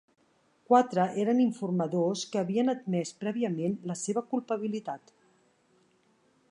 Quatre eren informadors que havien admès prèviament la seva culpabilitat.